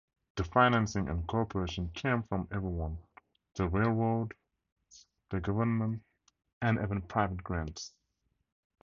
The financing and cooperation came from everyone-the railroads, the government, and even private grants.